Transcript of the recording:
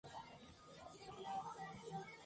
Más tarde, se fueron a Madrid.